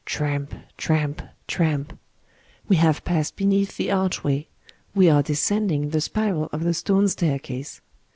Tramp, tramp, trampŌĆö we have passed beneath the archway, we are descending the spiral of the stone staircase.